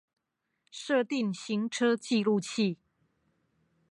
設定行車記錄器